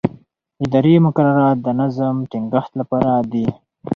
اداري مقررات د نظم د ټینګښت لپاره دي.